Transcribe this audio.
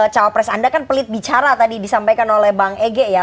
cawapres anda kan pelit bicara tadi disampaikan oleh bang ege ya